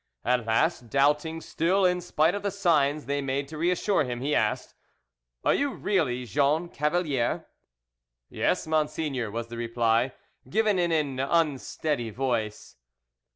At last, doubting still, in spite of the signs they made to reassure him, he asked— "Are you really Jean Cavalier?" "Yes, monseigneur," was the reply, given in an unsteady voice.